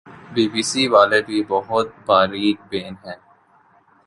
be B C والے بھی بہت باریک بین ہیں